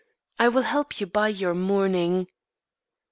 I will help you buy your mourning."